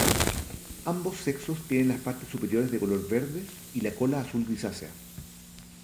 Ambos sexos tienen las partes superiores de color verde y la cola azul grisácea.